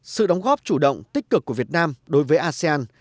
sự đóng góp chủ động tích cực của việt nam đối với asean